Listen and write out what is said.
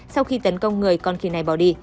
sau khi tấn công người con khỉ này bỏ đi